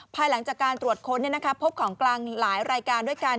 ภายหลังจากการตรวจค้นพบของกลางหลายรายการด้วยกัน